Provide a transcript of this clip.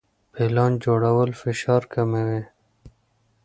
پلان جوړول فشار کموي.